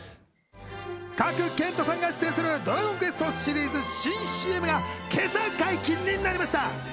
賀来賢人さんが出演するドラゴンクエストシリーズ新ＣＭが今朝解禁になりました。